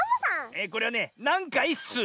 えこれはね「なんかいっすー」。